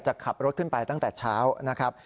จะขับรถขึ้นไปตั้งแต่เช้านะครับ